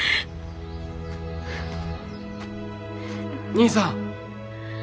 兄さん。